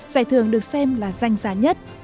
giải thưởng được xem là danh giá nhất